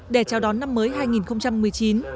để chào đón năm mới hai nghìn một mươi chín